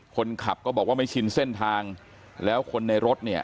คนขับก็บอกว่าไม่ชินเส้นทางแล้วคนในรถเนี่ย